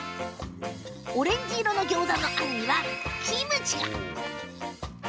オレンジ色のギョーザのあんにはキムチが！